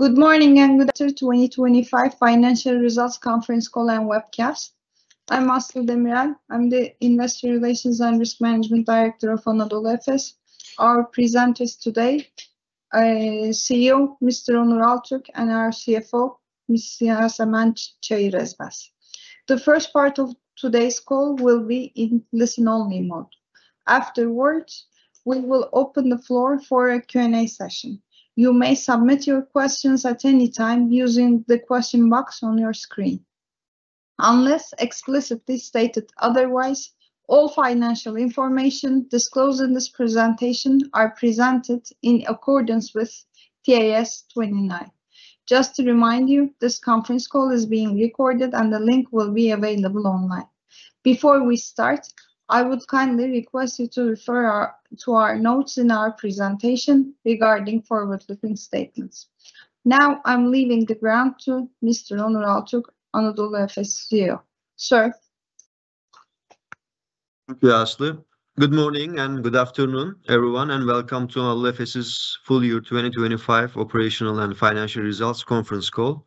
Good morning and welcome to 2025 Financial Results Conference Call and Webcast. I'm Aslı Demirel. I'm the Investor Relations and Risk Management Director of Anadolu Efes. Our presenters today are CEO, Mr. Onur Altürk, and our CFO, Ms. Yasemen Çayırezmez. The first part of today's call will be in listen only mode. Afterwards, we will open the floor for a Q&A session. You may submit your questions at any time using the question box on your screen. Unless explicitly stated otherwise, all financial information disclosed in this presentation are presented in accordance with TAS 29. Just to remind you, this conference call is being recorded and the link will be available online. Before we start, I would kindly request you to refer to our notes in our presentation regarding forward-looking statements. Now I'm leaving the ground to Mr. Onur Altürk, Anadolu Efes CEO. Sir. Thank you, Aslı. Good morning and good afternoon, everyone, welcome to Anadolu Efes' Full Year 2025 Operational and Financial Results Conference Call.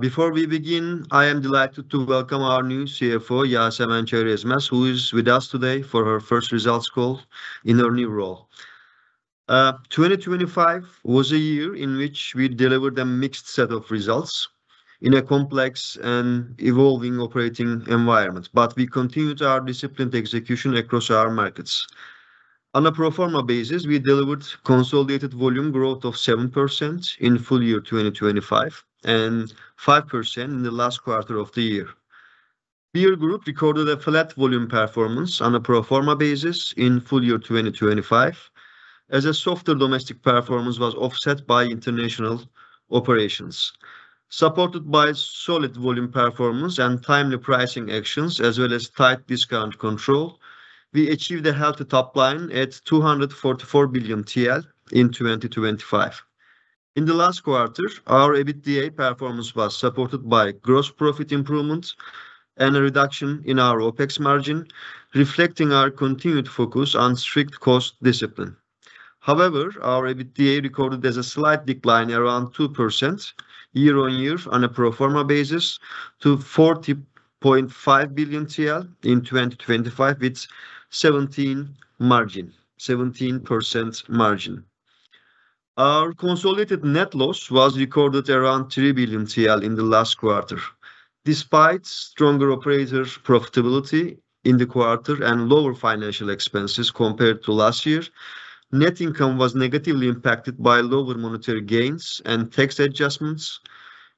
Before we begin, I am delighted to welcome our new CFO, Yasemen Güven Çayırezmez, who is with us today for her first results call in her new role. 2025 was a year in which we delivered a mixed set of results in a complex and evolving operating environment, but we continued our disciplined execution across our markets. On a pro forma basis, we delivered consolidated volume growth of 7% in full year 2025 and 5% in the last quarter of the year. Beer group recorded a flat volume performance on a pro forma basis in full year 2025 as a softer domestic performance was offset by international operations. Supported by solid volume performance and timely pricing actions as well as tight discount control, we achieved a healthy top line at 244 billion TL in 2025. In the last quarter, our EBITDA performance was supported by gross profit improvements and a reduction in our OpEx margin, reflecting our continued focus on strict cost discipline. However, our EBITDA recorded as a slight decline around 2% year-over-year on a pro forma basis to 40.5 billion TL in 2025 with 17% margin. Our consolidated net loss was recorded around 3 billion TL in the last quarter. Despite stronger operator profitability in the quarter and lower financial expenses compared to last year, net income was negatively impacted by lower monetary gains and tax adjustments,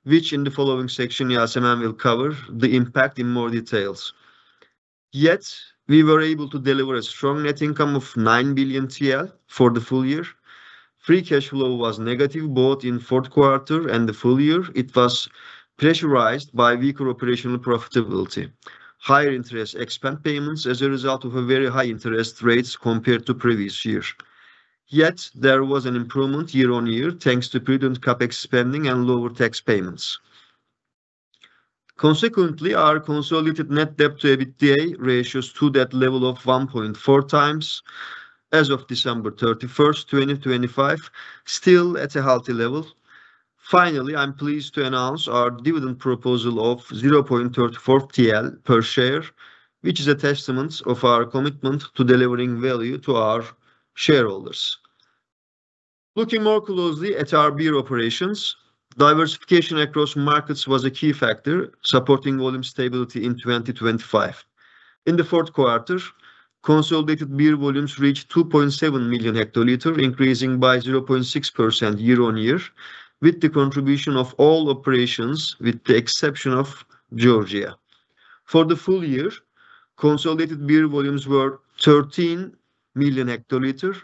which in the following section, Yasemen will cover the impact in more details. We were able to deliver a strong net income of 9 billion TL for the full year. Free cash flow was negative both in fourth quarter and the full year. It was pressurized by weaker operational profitability, higher interest expense payments as a result of very high interest rates compared to previous years. There was an improvement year-over-year, thanks to prudent CapEx spending and lower tax payments. Consequently, our consolidated net debt to EBITDA ratios to that level of 1.4x as of December 31, 2025, still at a healthy level. Finally, I am pleased to announce our dividend proposal of 0.34 TL per share, which is a testament of our commitment to delivering value to our shareholders. Looking more closely at our beer operations, diversification across markets was a key factor supporting volume stability in 2025. In the fourth quarter, consolidated beer volumes reached 2.7 million hectoliter, increasing by 0.6% year-over-year with the contribution of all operations, with the exception of Georgia. For the full year, consolidated beer volumes were 13 million hectoliter,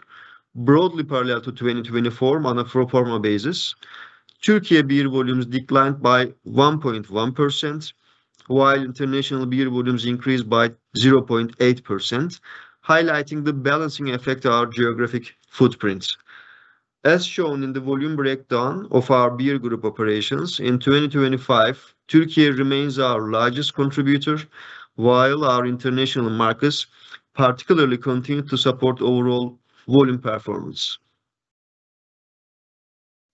broadly parallel to 2024 on a pro forma basis. Turkey beer volumes declined by 1.1%, while international beer volumes increased by 0.8%, highlighting the balancing effect of our geographic footprints. As shown in the volume breakdown of our beer group operations in 2025, Turkey remains our largest contributor, while our international markets particularly continue to support overall volume performance.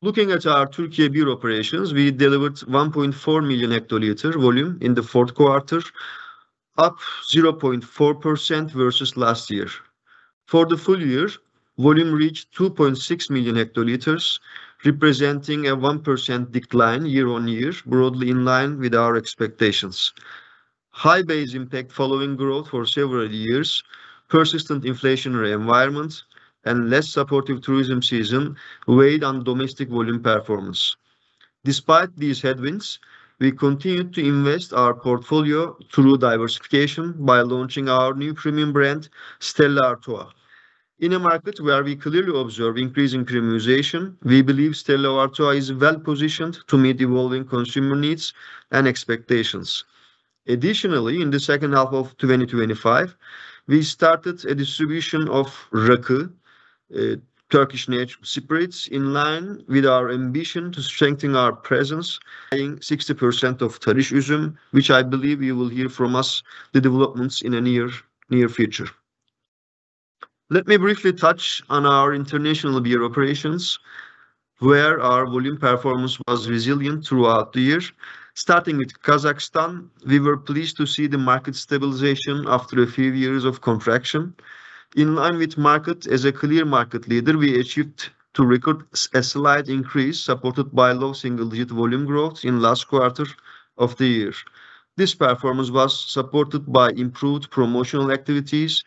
Looking at our Turkey beer operations, we delivered 1.4 million hectoliter volume in the fourth quarter, up 0.4% versus last year. For the full year, volume reached 2.6 million hectoliters, representing a 1% decline year-over-year, broadly in line with our expectations. High base impact following growth for several years, persistent inflationary environments, and less supportive tourism season weighed on domestic volume performance. Despite these headwinds, we continued to invest our portfolio through diversification by launching our new premium brand, Stella Artois. In a market where we clearly observe increasing premiumization, we believe Stella Artois is well-positioned to meet evolving consumer needs and expectations. Additionally, in the second half of 2025, we started a distribution of Rakı, Turkish national spirits, in line with our ambition to strengthen our presence, paying 60% of Turkish ism, which I believe you will hear from us the developments in the near future. Let me briefly touch on our international beer operations, where our volume performance was resilient throughout the year. Starting with Kazakhstan, we were pleased to see the market stabilization after a few years of contraction. In line with market, as a clear market leader, we achieved to record a slight increase supported by low single-digit volume growth in last quarter of the year. This performance was supported by improved promotional activities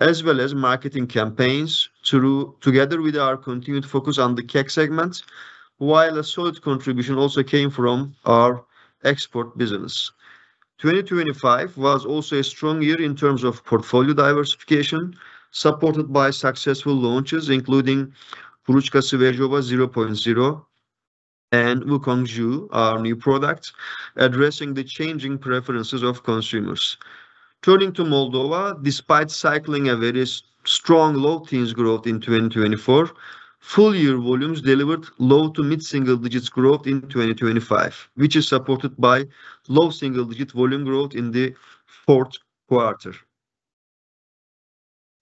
as well as marketing campaigns together with our continued focus on the keg segment, while a solid contribution also came from our export business. 2025 was also a strong year in terms of portfolio diversification, supported by successful launches, including Kruzhka Severnaya 0.0 and Wukong Ju, our new products addressing the changing preferences of consumers. Turning to Moldova, despite cycling a very strong low teens growth in 2024, full year volumes delivered low to mid-single digits growth in 2025, which is supported by low single-digit volume growth in the fourth quarter.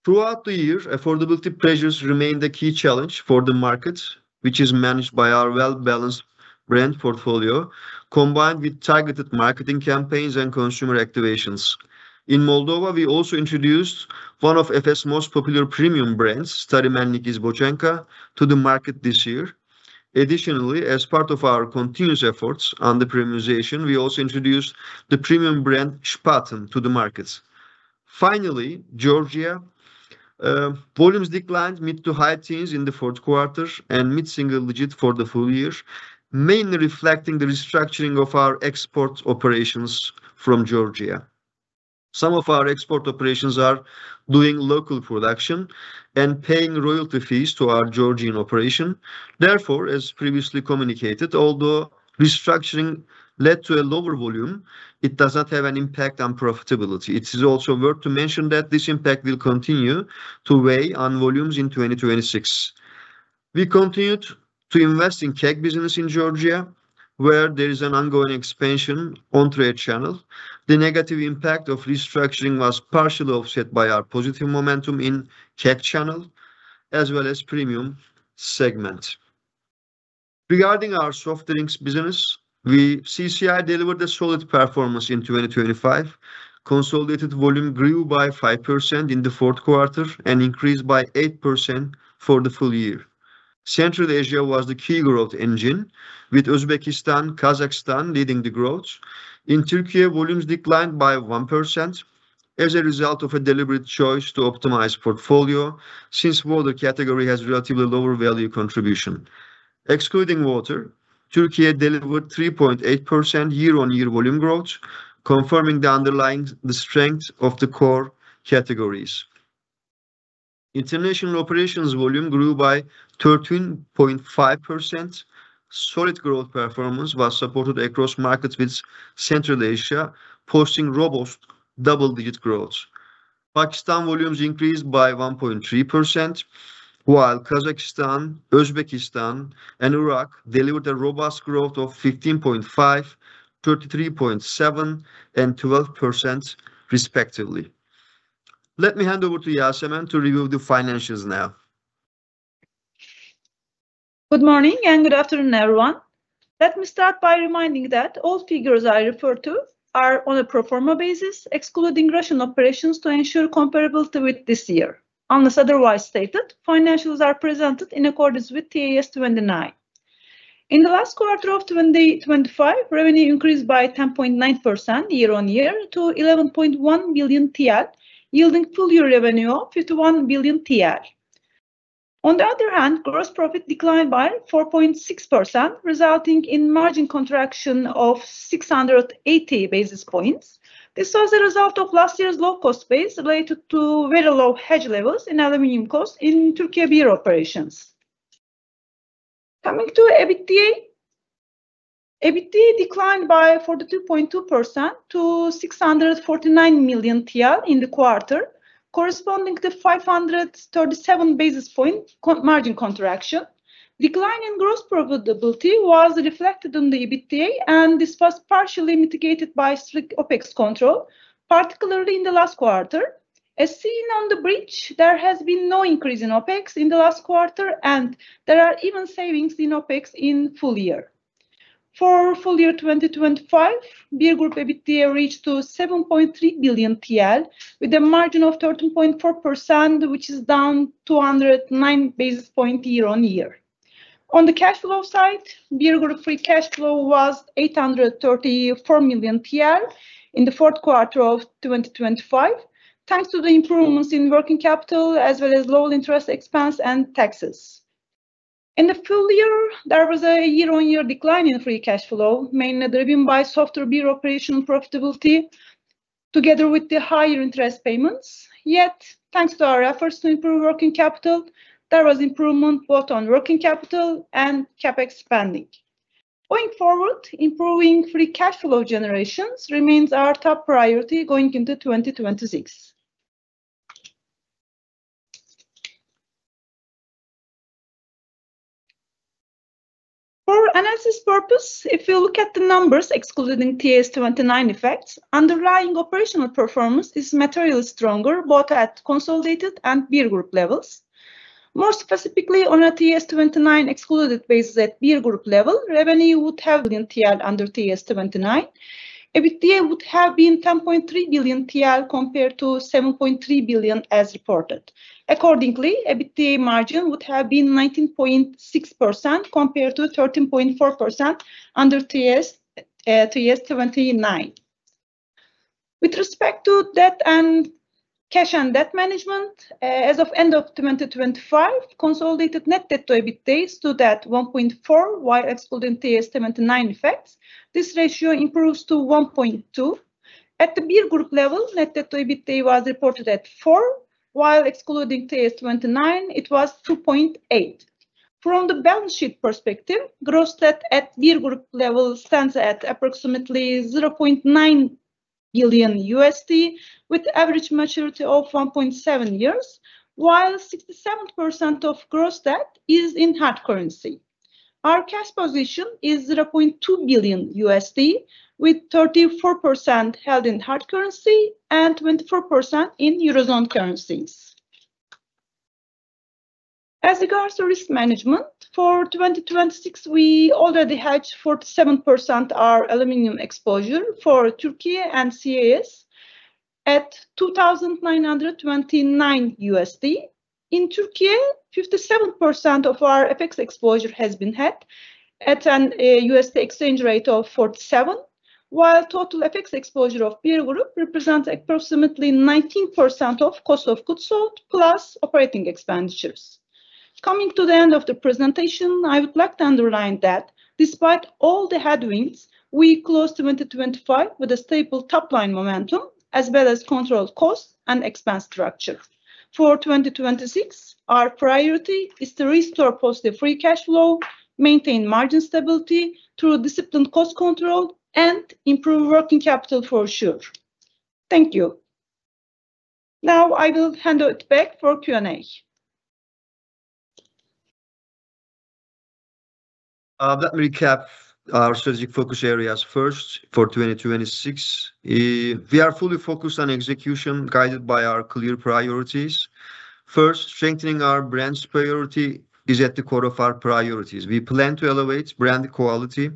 Throughout the year, affordability pressures remained a key challenge for the market, which is managed by our well-balanced brand portfolio, combined with targeted marketing campaigns and consumer activations. In Moldova, we also introduced one of Efes' most popular premium brands, [Törökmáglys Bocsenka], to the market this year. Additionally, as part of our continuous efforts on the premiumization, we also introduced the premium brand Spaten to the markets. Georgia, volumes declined mid to high teens in the fourth quarter and mid-single digit for the full year, mainly reflecting the restructuring of our export operations from Georgia. Some of our export operations are doing local production and paying royalty fees to our Georgian operation. As previously communicated, although restructuring led to a lower volume, it does not have an impact on profitability. It is also worth to mention that this impact will continue to weigh on volumes in 2026. We continued to invest in keg business in Georgia, where there is an ongoing expansion on-trade channel. The negative impact of restructuring was partially offset by our positive momentum in keg channel as well as premium segment. Regarding our soft drinks business, CCI delivered a solid performance in 2025. Consolidated volume grew by 5% in the fourth quarter and increased by 8% for the full year. Central Asia was the key growth engine, with Uzbekistan, Kazakhstan leading the growth. In Türkiye, volumes declined by 1% as a result of a deliberate choice to optimize portfolio since water category has relatively lower value contribution. Excluding water, Türkiye delivered 3.8% year-on-year volume growth, confirming the underlying strength of the core categories. International operations volume grew by 13.5%. Solid growth performance was supported across markets with Central Asia posting robust double-digit growth. Pakistan volumes increased by 1.3%, while Kazakhstan, Uzbekistan, and Iraq delivered a robust growth of 15.5%, 33.7%, and 12% respectively. Let me hand over to Yasemen to review the financials now. Good morning and good afternoon, everyone. Let me start by reminding that all figures I refer to are on a pro forma basis, excluding Russian operations to ensure comparable to with this year. Unless otherwise stated, financials are presented in accordance with TAS 29. In the last quarter of 2025, revenue increased by 10.9% year-over-year to 11.1 billion TL, yielding full year revenue of 51 billion TL. On the other hand, gross profit declined by 4.6%, resulting in margin contraction of 680 basis points. This was a result of last year's low cost base related to very low hedge levels in aluminum costs in Türkiye beer operations. Coming to EBITDA. EBITDA declined by 42.2% to 649 million TL in the quarter, corresponding to 537 basis point margin contraction. Decline in gross profitability was reflected on the EBITDA, and this was partially mitigated by strict OpEx control, particularly in the last quarter. As seen on the bridge, there has been no increase in OpEx in the last quarter, and there are even savings in OpEx in full year. For full year 2025, Beer Group EBITDA reached to TL 7.3 billion with a margin of 13.4%, which is down 209 basis points year-on-year. On the cash flow side, Beer Group free cash flow was TL 834 million in the fourth quarter of 2025, thanks to the improvements in working capital as well as lower interest expense and taxes. In the full year, there was a year-on-year decline in free cash flow, mainly driven by softer beer operational profitability together with the higher interest payments. Thanks to our efforts to improve working capital, there was improvement both on working capital and CapEx spending. Going forward, improving free cash flow generations remains our top priority going into 2026. For analysis purpose, if you look at the numbers excluding TAS 29 effects, underlying operational performance is materially stronger both at consolidated and beer group levels. More specifically on a TAS 29 excluded basis at beer group level, revenue would have been TL under TAS 29. EBITDA would have been 10.3 billion TL compared to 7.3 billion as reported. Accordingly, EBITDA margin would have been 19.6% compared to 13.4% under TAS 29. With respect to debt and cash and debt management, as of end of 2025, consolidated net debt to EBITDA stood at 1.4, while excluding TAS 29 effects, this ratio improves to 1.2. At the beer group level, net debt to EBITDA was reported at 4, while excluding TAS 29 it was 2.8. From the balance sheet perspective, gross debt at beer group level stands at approximately $0.9 billion with average maturity of 1.7 years, while 67% of gross debt is in hard currency. Our cash position is $0.2 billion, with 34% held in hard currency and 24% in Eurozone currencies. As regards to risk management for 2026, we already hedged 47% our aluminum exposure for Turkey and CIS at $2,929. In Turkey, 57% of our FX exposure has been hedged at an USD exchange rate of 47, while total FX exposure of beer group represents approximately 19% of cost of goods sold plus operating expenditures. Coming to the end of the presentation, I would like to underline that despite all the headwinds, we closed 2025 with a stable top line momentum as well as controlled cost and expense structure. For 2026, our priority is to restore positive free cash flow, maintain margin stability through disciplined cost control, and improve working capital for sure. Thank you. Now I will hand it back for Q&A. Let me recap our strategic focus areas first for 2026. We are fully focused on execution guided by our clear priorities. First, strengthening our brand's priority is at the core of our priorities. We plan to elevate brand quality,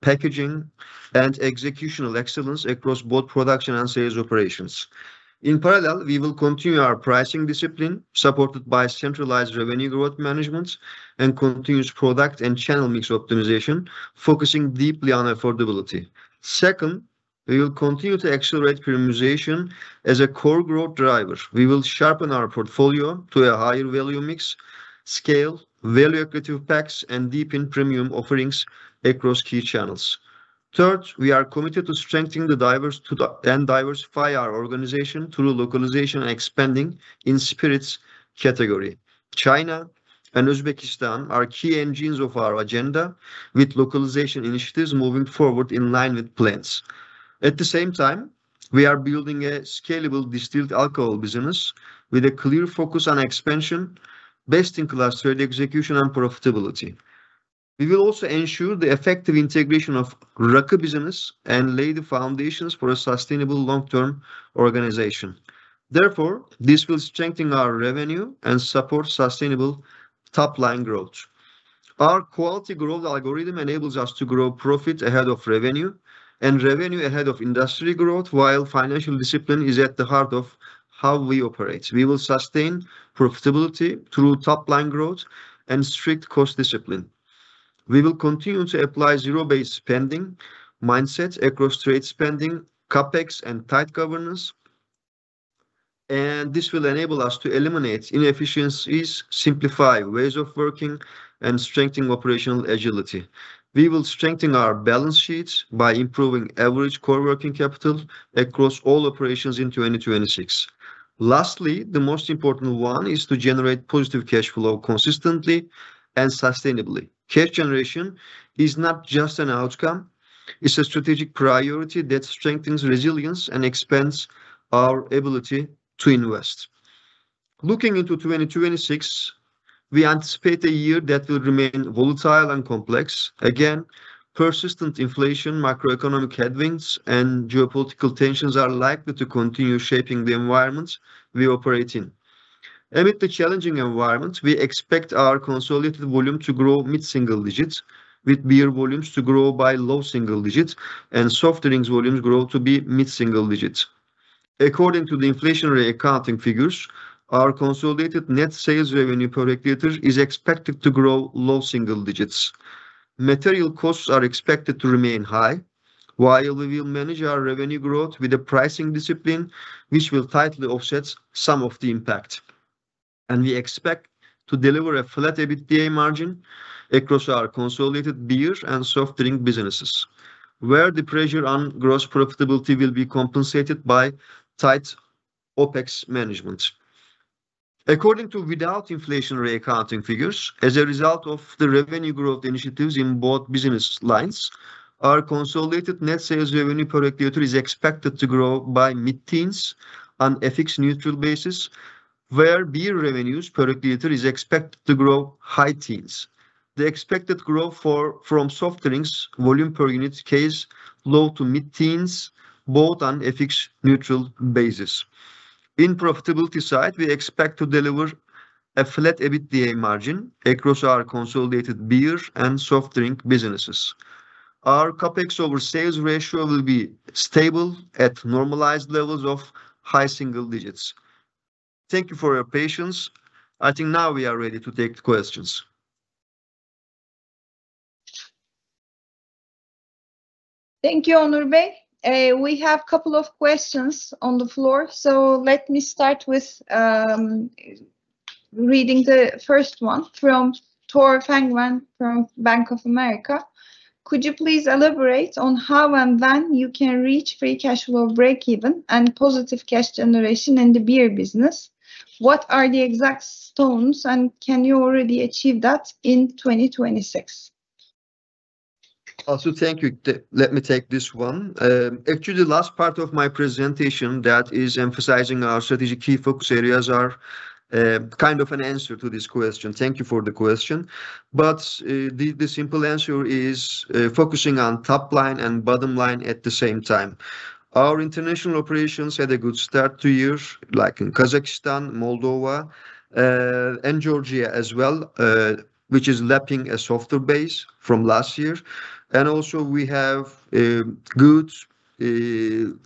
packaging, and executional excellence across both production and sales operations. In parallel, we will continue our pricing discipline supported by centralized revenue growth management and continuous product and channel mix optimization, focusing deeply on affordability. Second, we will continue to accelerate premiumization as a core growth driver. We will sharpen our portfolio to a higher value mix, scale value-accretive packs, and deepen premium offerings across key channels. Third, we are committed to strengthening the diverse and diversify our organization through localization and expanding in spirits category. China and Uzbekistan are key engines of our agenda with localization initiatives moving forward in line with plans. The same time, we are building a scalable distilled alcohol business with a clear focus on expansion based in cluster execution and profitability. We will also ensure the effective integration of Rakı business and lay the foundations for a sustainable long-term organization. Therefore, this will strengthen our revenue and support sustainable top-line growth. Our quality growth algorithm enables us to grow profit ahead of revenue and revenue ahead of industry growth, while financial discipline is at the heart of how we operate. We will sustain profitability through top-line growth and strict cost discipline. We will continue to apply zero-based spending mindset across trade spending, CapEx, and tight governance, this will enable us to eliminate inefficiencies, simplify ways of working, and strengthen operational agility. We will strengthen our balance sheets by improving average core working capital across all operations in 2026. Lastly, the most important one is to generate positive cash flow consistently and sustainably. Cash generation is not just an outcome, it's a strategic priority that strengthens resilience and expands our ability to invest. Looking into 2026, we anticipate a year that will remain volatile and complex. Again, persistent inflation, macroeconomic headwinds, and geopolitical tensions are likely to continue shaping the environment we operate in. Amid the challenging environment, we expect our consolidated volume to grow mid-single digits, with beer volumes to grow by low single digits and soft drinks volumes grow to be mid-single digits. According to the inflationary accounting figures, our consolidated net sales revenue per hectoliter is expected to grow low single digits. Material costs are expected to remain high, while we will manage our revenue growth with a pricing discipline, which will tightly offset some of the impact. We expect to deliver a flat EBITDA margin across our consolidated beer and soft drink businesses, where the pressure on gross profitability will be compensated by tight OpEx management. According to without inflationary accounting figures, as a result of the revenue growth initiatives in both business lines, our consolidated net sales revenue per hectoliter is expected to grow by mid-teens on a FX-neutral basis, where beer revenues per liter is expected to grow high teens. The expected growth from soft drinks, volume per unit case, low to mid-teens, both on a FX-neutral basis. In profitability side, we expect to deliver a flat EBITDA margin across our consolidated beer and soft drink businesses. Our CapEx over sales ratio will be stable at normalized levels of high single digits. Thank you for your patience. I think now we are ready to take the questions. Thank you, Onur Bey. We have couple of questions on the floor. Let me start with reading the first one from Tore Fangmann from Bank of America. Could you please elaborate on how and when you can reach free cash flow breakeven and positive cash generation in the beer business? What are the exact stones, and can you already achieve that in 2026? Also, thank you. Let me take this one. Actually, the last part of my presentation that is emphasizing our strategic key focus areas are kind of an answer to this question. Thank you for the question. The simple answer is focusing on top line and bottom line at the same time. Our international operations had a good start to year, like in Kazakhstan, Moldova, and Georgia as well, which is lapping a softer base from last year. Also we have good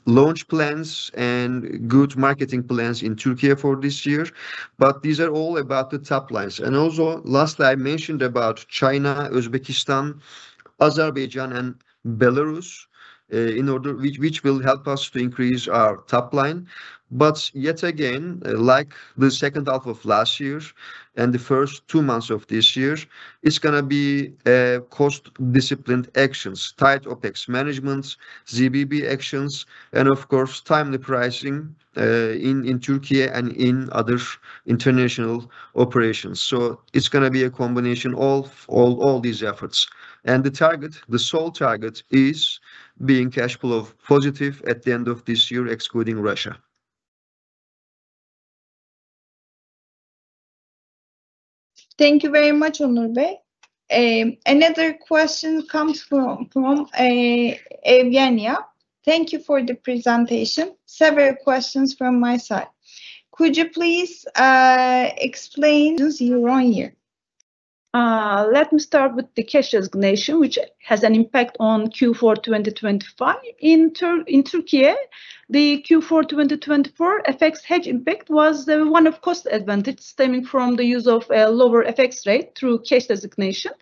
launch plans and good marketing plans in Turkey for this year, but these are all about the top lines. Also lastly, I mentioned about China, Uzbekistan, Azerbaijan, and Belarus, which will help us to increase our top line. Yet again, like the second half of last year and the first two months of this year, it's gonna be cost-disciplined actions, tight OpEx managements, ZBB actions, and of course, timely pricing in Turkey and in other international operations. It's gonna be a combination of all these efforts. The target, the sole target, is being cash flow positive at the end of this year, excluding Russia. Thank you very much, Onur Bey. Another question comes from Evgenia. Thank you for the presentation. Several questions from my side. Could you please explain year-on-year? Let me start with the cash designation, which has an impact on Q4 2025. In Turkey, the Q4 2024 FX hedge impact was the one of cost advantage stemming from the use of a lower FX rate through cash designation.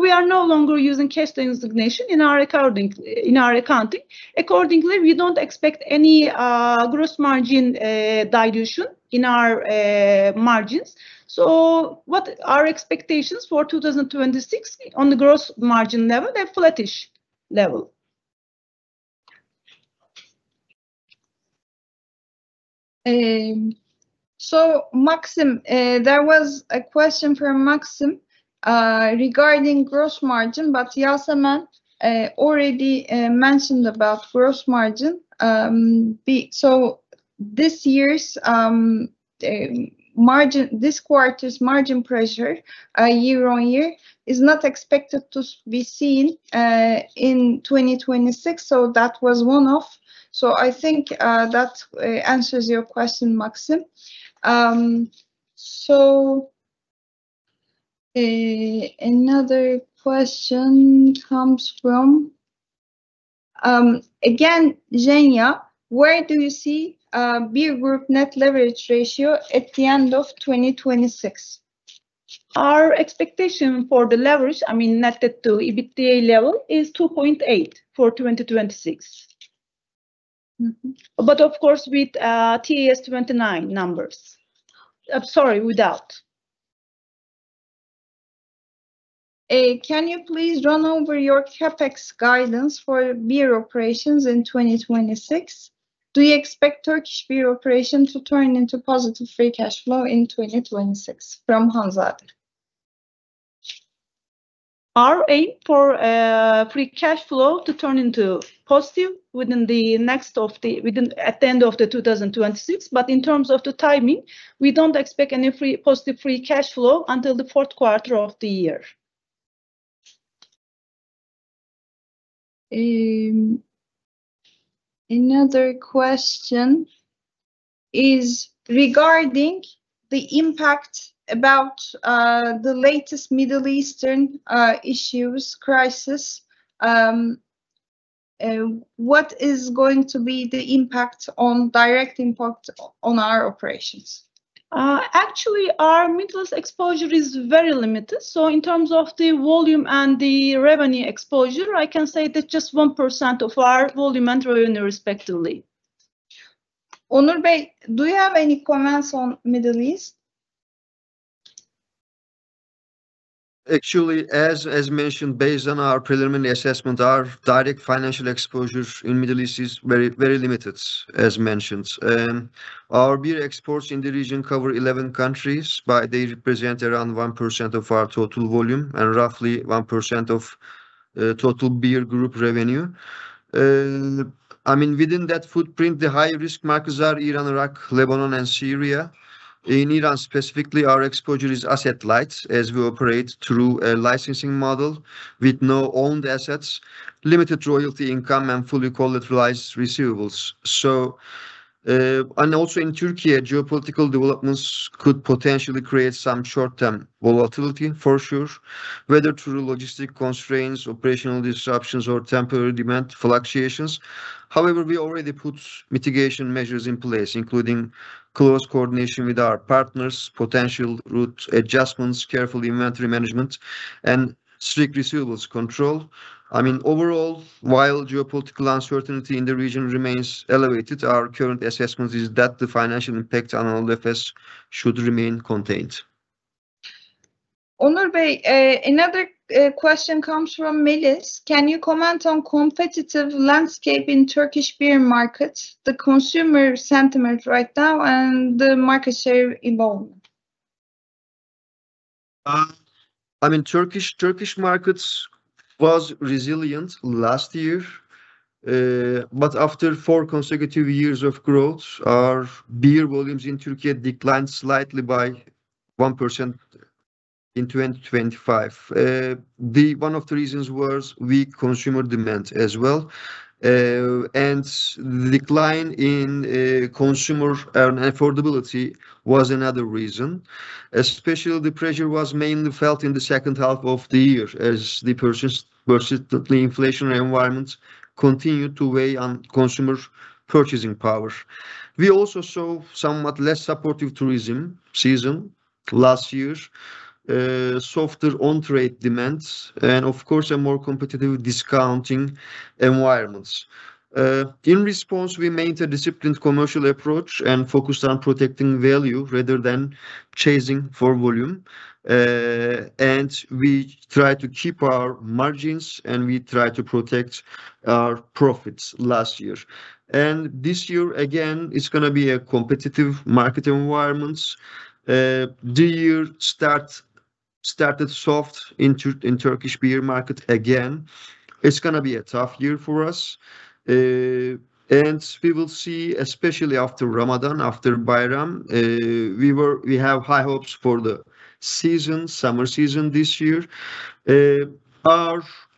We are no longer using cash designation in our recording, in our accounting. Accordingly, we don't expect any gross margin dilution in our margins. What are expectations for 2026 on the gross margin level? A flattish level. Maxim, there was a question from Maxim regarding gross margin, but Yasemen already mentioned about gross margin. This year's margin, this quarter's margin pressure year-on-year, is not expected to be seen in 2026, so that was one-off. I think that answers your question, Maxim. Another question comes from again, Zhenia. Where do you see beer group net leverage ratio at the end of 2026? Our expectation for the leverage, I mean, net debt to EBITDA level, is 2.8 for 2026. Of course, with TAS 29 numbers. Sorry, without. Can you please run over your CapEx guidance for beer operations in 2026? Do you expect Turkish beer operations to turn into positive free cash flow in 2026, from Hanzade. Our aim for free cash flow to turn into positive at the end of 2026. In terms of the timing, we don't expect any positive free cash flow until the fourth quarter of the year. Another question is regarding the impact about the latest Middle Eastern issues, crisis. What is going to be the direct impact on our operations? Actually, our Middle East exposure is very limited. In terms of the volume and the revenue exposure, I can say that just 1% of our volume and revenue respectively. Onur Bey, do you have any comments on Middle East? Actually, as mentioned, based on our preliminary assessment, our direct financial exposure in Middle East is very, very limited, as mentioned. Our beer exports in the region cover 11 countries, but they represent around 1% of our total volume and roughly 1% of total beer group revenue. I mean, within that footprint, the high-risk markets are Iran, Iraq, Lebanon and Syria. In Iran specifically, our exposure is asset lights as we operate through a licensing model with no owned assets, limited royalty income and fully collateralized receivables. Also in Turkey, geopolitical developments could potentially create some short-term volatility for sure, whether through logistic constraints, operational disruptions or temporary demand fluctuations. However, we already put mitigation measures in place, including close coordination with our partners, potential route adjustments, careful inventory management and strict receivables control. I mean, overall, while geopolitical uncertainty in the region remains elevated, our current assessment is that the financial impact on LFS should remain contained. Onur Bey, another question comes from Melis: Can you comment on competitive landscape in Turkish beer market, the consumer sentiment right now and the market share evolution? I mean Turkish markets was resilient last year. After four consecutive years of growth, our beer volumes in Turkey declined slightly by 1% in 2025. One of the reasons was weak consumer demand as well. Decline in consumer earn affordability was another reason. Especially the pressure was mainly felt in the second half of the year as the persistently inflationary environments continued to weigh on consumer purchasing power. We also saw somewhat less supportive tourism season last year, softer on-trade demands and of course a more competitive discounting environments. In response, we maintained a disciplined commercial approach and focused on protecting value rather than chasing for volume. We try to keep our margins, and we try to protect our profits last year. This year again, it's gonna be a competitive market environments. The year started soft in Turkish beer market again. It's gonna be a tough year for us. We will see, especially after Ramadan, after Bayram, we have high hopes for the season, summer season this year.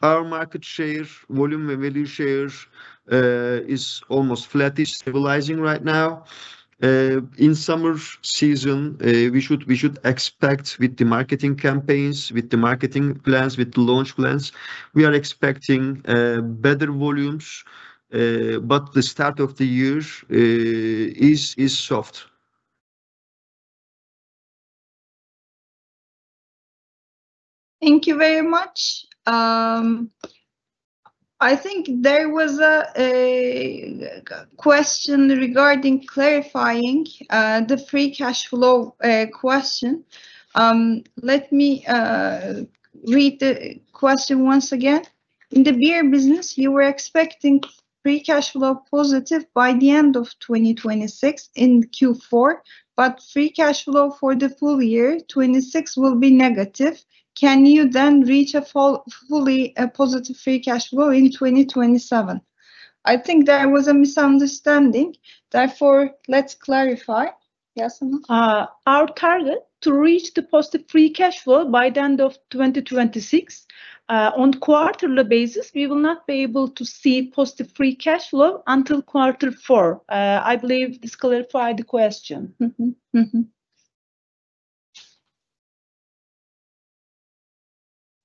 Our market share, volume and value share, is almost flat-ish, stabilizing right now. In summer season, we should expect with the marketing campaigns, with the marketing plans, with the launch plans, we are expecting better volumes. The start of the year is soft. Thank you very much. I think there was a question regarding clarifying the free cash flow question. Let me read the question once again. In the beer business you were expecting free cash flow positive by the end of 2026 in Q4, but free cash flow for the full year, 2026, will be negative. Can you reach a fully positive free cash flow in 2027? I think there was a misunderstanding, let's clarify. Yes, Yasemen. Our target to reach the positive free cash flow by the end of 2026, on quarterly basis, we will not be able to see positive free cash flow until Q4. I believe this clarified the question.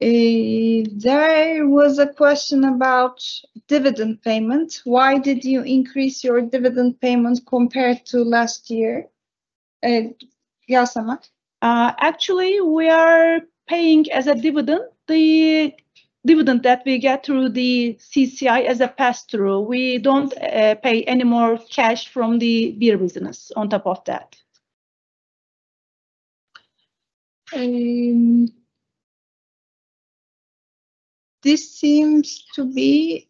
There was a question about dividend payment. Why did you increase your dividend payments compared to last year? Yasemen. Actually we are paying as a dividend the dividend that we get through the CCI as a pass-through. We don't pay any more cash from the beer business on top of that. This seems to be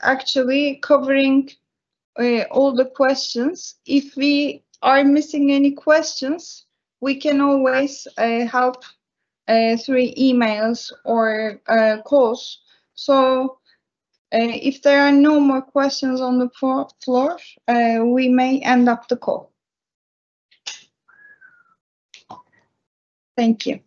actually covering all the questions. If we are missing any questions, we can always help through emails or calls. If there are no more questions on the floor, we may end up the call. Thank you